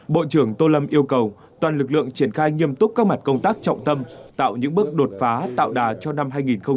bộ trưởng tô lâm yêu cầu toàn lực lượng triển khai nghiêm túc các mặt công tác trọng tâm tạo những bước đột phá tạo đà cho năm hai nghìn hai mươi